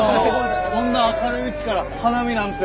こんな明るいうちから花見なんて。